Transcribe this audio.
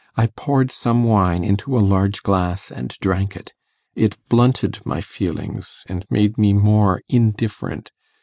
I poured some wine into a large glass and drank it. It blunted my feelings, and made me more indifferent.